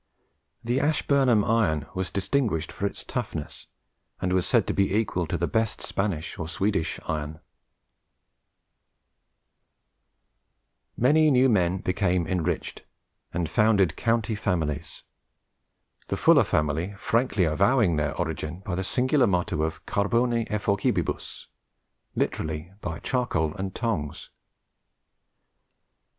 The Ashburnham iron was distinguished for its toughness, and was said to be equal to the best Spanish or Swedish iron. Many new men also became enriched, and founded county families; the Fuller family frankly avowing their origin in the singular motto of Carbone et forcipibus literally, by charcoal and tongs.